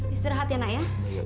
istirahat ya nak ya